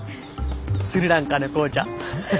スリランカの紅茶。